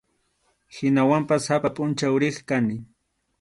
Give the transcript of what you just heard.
Hinawanpas sapa pʼunchaw riq kani.